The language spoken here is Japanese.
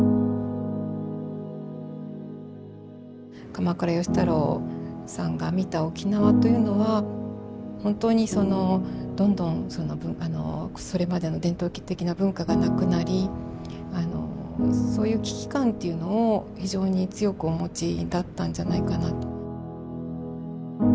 鎌倉芳太郎さんが見た沖縄というのは本当にそのどんどんそれまでの伝統的な文化がなくなりそういう危機感というのを非常に強くお持ちだったんじゃないかなと。